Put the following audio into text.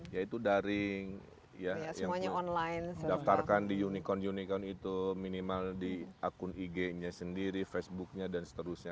yaitu daring daftarkan di unicorn unicorn itu minimal di akun ig nya sendiri facebook nya dan seterusnya